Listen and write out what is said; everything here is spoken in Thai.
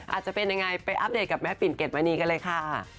อาจจะเป็นอย่างไรไปอัปเดตกับแม่ปิ่นเกดวันนี้กันเลยค่ะ